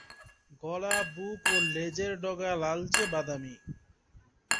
গলা, বুক ও লেজের ডগা লালচে বাদামী।